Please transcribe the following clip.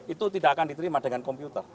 itu tidak akan diterima dengan komputer